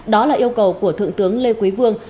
đó là yêu cầu của thượng tướng lê quý vương